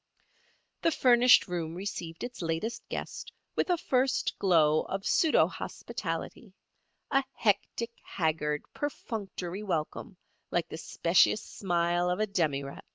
The furnished room received its latest guest with a first glow of pseudo hospitality, a hectic, haggard, perfunctory welcome like the specious smile of a demirep.